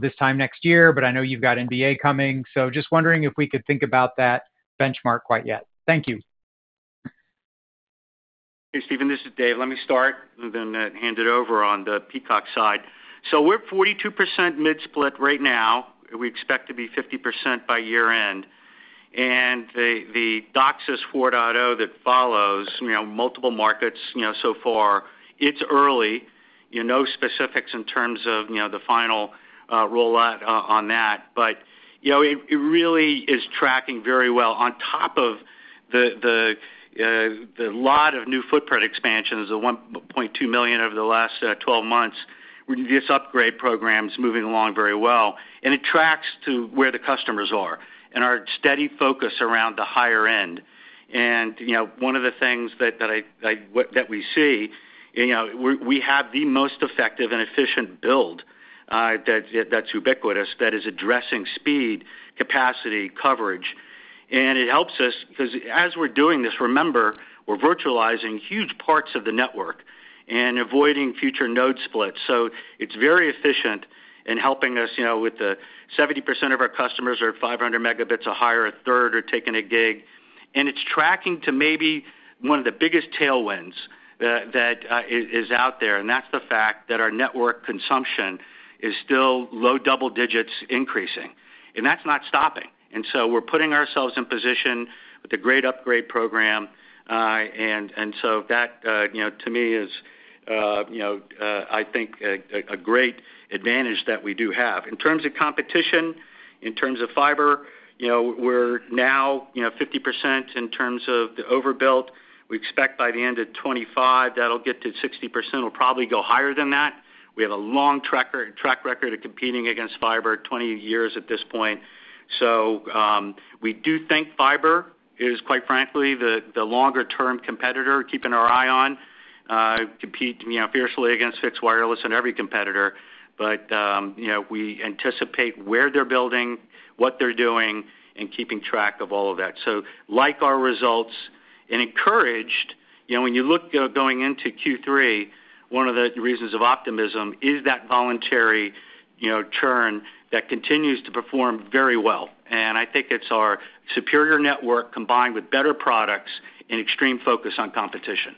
this time next year. But I know you've got NBA coming. So just wondering if we could think about that benchmark quite yet. Thank you.
Hey, Steven, this is Dave. Let me start and then hand it over on the Peacock side. So we're 42% mid-split right now. We expect to be 50% by year-end. And the DOCSIS 4.0 that follows, multiple markets so far, it's early. No specifics in terms of the final rollout on that. But it really is tracking very well on top of a lot of new footprint expansions, the 1.2 million over the last 12 months. This upgrade program is moving along very well. And it tracks to where the customers are and our steady focus around the higher end. One of the things that we see, we have the most effective and efficient build that's ubiquitous that is addressing speed, capacity, coverage. And it helps us because as we're doing this, remember, we're virtualizing huge parts of the network and avoiding future node splits. So it's very efficient in helping us with 70% of our customers are 500 Mbps or higher, 1/3 are taking a gig. And it's tracking to maybe one of the biggest tailwinds that is out there. And that's the fact that our network consumption is still low double digits increasing. And that's not stopping. And so we're putting ourselves in position with a great upgrade program. And so that, to me, is, I think, a great advantage that we do have. In terms of competition, in terms of fiber, we're now 50% in terms of the overbuild. We expect by the end of 2025 that'll get to 60%. It'll probably go higher than that. We have a long track record of competing against fiber, 20 years at this point. So we do think fiber is, quite frankly, the longer-term competitor, keeping our eye on, compete fiercely against fixed wireless and every competitor. But we anticipate where they're building, what they're doing, and keeping track of all of that. So like our results, and encouraged, when you look going into Q3, one of the reasons of optimism is that voluntary churn that continues to perform very well. And I think it's our superior network combined with better products and extreme focus on competition.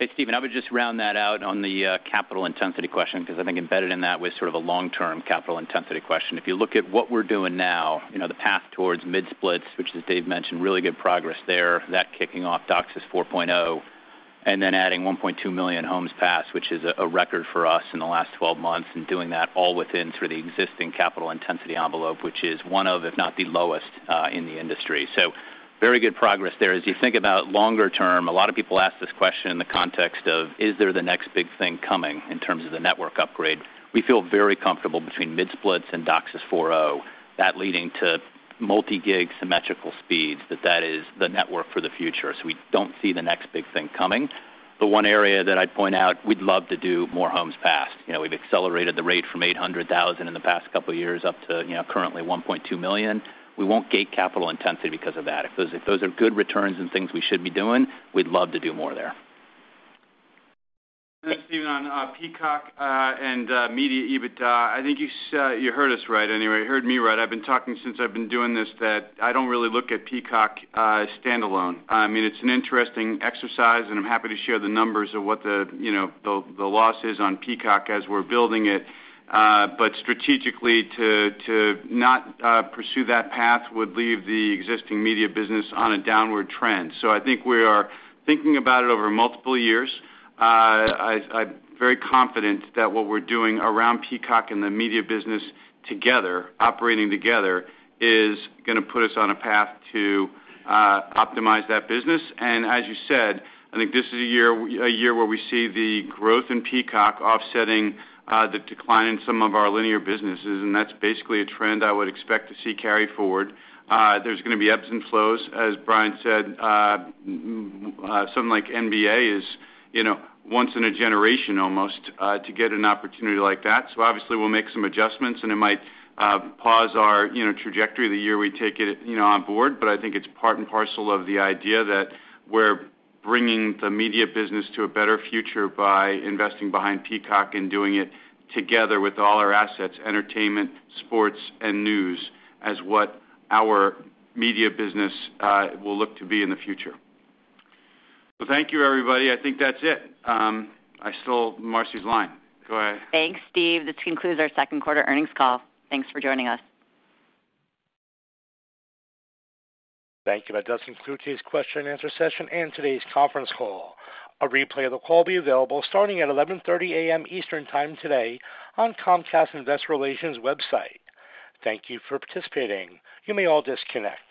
Hey, Stephen, I would just round that out on the capital intensity question because I think embedded in that was sort of a long-term capital intensity question. If you look at what we're doing now, the path towards mid-splits, which, as Dave mentioned, really good progress there, that kicking off DOCSIS 4.0, and then adding 1.2 million homes passed, which is a record for us in the last 12 months, and doing that all within sort of the existing capital intensity envelope, which is one of, if not the lowest in the industry. So very good progress there. As you think about longer-term, a lot of people ask this question in the context of, is there the next big thing coming in terms of the network upgrade? We feel very comfortable between mid-splits and DOCSIS 4.0, that leading to multi-gig symmetrical speeds, that that is the network for the future. So we don't see the next big thing coming. But one area that I'd point out, we'd love to do more homes passed. We've accelerated the rate from 800,000 in the past couple of years up to currently 1.2 million. We won't gate capital intensity because of that. If those are good returns and things we should be doing, we'd love to do more there. Stephen, on Peacock and media EBITDA, I think you heard us right anyway. You heard me right. I've been talking since I've been doing this that I don't really look at Peacock standalone. I mean, it's an interesting exercise. I'm happy to share the numbers of what the loss is on Peacock as we're building it. But strategically, to not pursue that path would leave the existing media business on a downward trend. I think we are thinking about it over multiple years. I'm very confident that what we're doing around Peacock and the media business together, operating together, is going to put us on a path to optimize that business. And as you said, I think this is a year where we see the growth in Peacock offsetting the decline in some of our linear businesses. And that's basically a trend I would expect to see carry forward. There's going to be ebbs and flows, as Brian said. Something like NBA is once in a generation almost to get an opportunity like that. So obviously, we'll make some adjustments. And it might pause our trajectory the year we take it on board. But I think it's part and parcel of the idea that we're bringing the media business to a better future by investing behind Peacock and doing it together with all our assets, entertainment, sports, and news, as what our media business will look to be in the future. So thank you, everybody. I think that's it. Marci's line. Go ahead.
Thanks, Steve. This concludes our Q2 earnings call. Thanks for joining us. Thank you.
That does conclude today's question and answer session and today's conference call. A replay of the call will be available starting at 11:30 A.M. Eastern Time today on Comcast Investor Relations' website. Thank you for participating. You may all disconnect.